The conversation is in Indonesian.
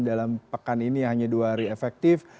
dalam pekan ini hanya dua hari efektif